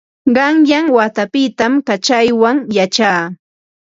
Qanyan watapitam kaćhaw yachaa.